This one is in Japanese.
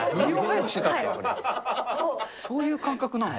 そういう感覚なんだ。